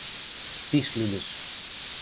Пиш лӱдӹш.